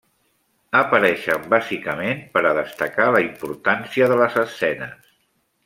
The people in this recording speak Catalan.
Apareixen bàsicament per a destacar la importància de les escenes.